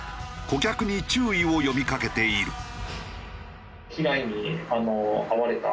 顧客に注意を呼びかけている。